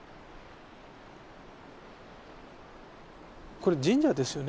これ神社ですよね。